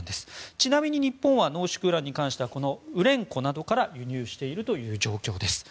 ちなみに日本は濃縮ウランに関してはウレンコなどから輸入しているという状況です。